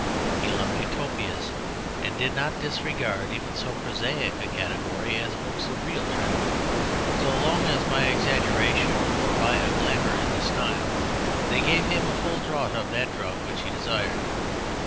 He loved Utopias and did not disregard even so prosaic a category as books of real travel, so long as by exaggeration or by a glamour in the style they gave him a full draught of that drug which he desired.